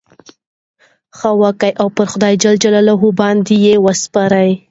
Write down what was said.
ښه وکه! او پر خدای جل جلاله باندي ئې وسپاره.